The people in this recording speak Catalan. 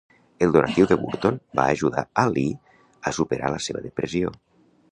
El donatiu de Burton va ajudar a Lee a superar la seva depressió.